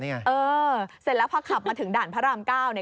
เออเสร็จแล้วพอขับมาถึงด่านพระรามเก้าเนี่ย